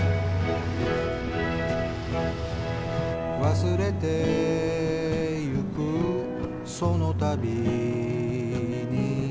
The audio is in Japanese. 「忘れてゆくそのたびに」